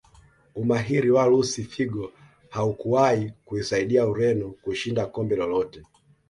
Umahiri wa Lusi figo haukuwahi kuisaidia Ureno kushinda kombe lolote